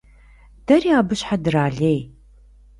Дэри абы щхьэ дралей.